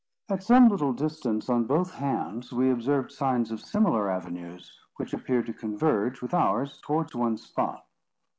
At some little distance, on both hands, we observed signs of similar avenues, which appeared to converge with ours, towards one spot.